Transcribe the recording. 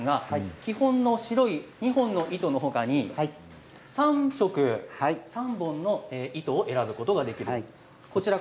基本の白い２本の糸のほかに３色、３本の糸を選ぶことができます。